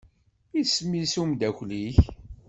Isem-is umeddakel-ik?